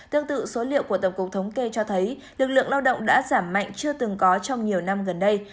tương tự số liệu của tổng cục thống kê cho thấy lực lượng lao động đã giảm mạnh chưa từng có trong nhiều năm gần đây